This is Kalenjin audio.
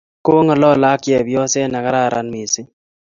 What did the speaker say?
kongalale ak chepyose ne kararan mising